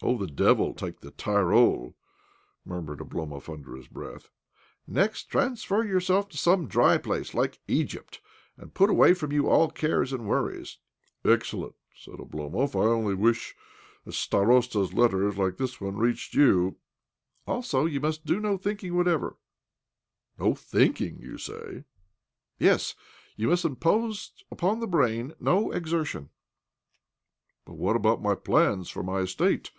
" Oh, the devil take the, Tyrol !" mur mured Oblomov under his breath. " Next, transfer yourself to some dry place like Egypt, aiid put away from you all cares and worries." "Excellent!" said Oblomov. "I only OBLOMOV 67 wish that starostas' letters like this one reached you 1 "" Also you must do no thinking whatso ever." "No thiiiking, you say?" " Yes— you must impose upon the brain no exertion." " But what about my plans for my estate